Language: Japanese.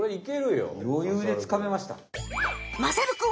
よゆうでつかめました。